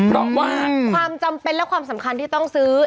ครับอืมจำเป็นแล้วความสำคัญที่ต้องซื้อ